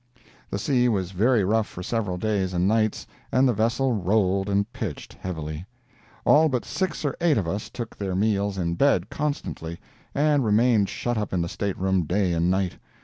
The sea was very rough for several days and nights, and the vessel rolled and pitched heavily. All but six or eight of us took their meals in bed constantly, and remained shut up in the staterooms day and night.